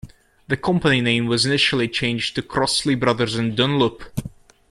The company name was initially changed to Crossley Brothers and Dunlop.